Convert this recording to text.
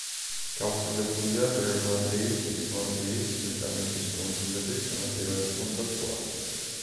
გავრცელებულია გრენლანდიის, ისლანდიის, ბრიტანეთის კუნძულების სანაპიროებთან და სხვა.